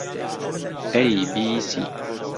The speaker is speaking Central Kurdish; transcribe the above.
ئەی بی سی